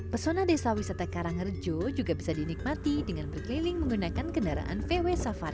pesona desa wisata karangrejo juga bisa dinikmati dengan berkeliling menggunakan kendaraan vw safari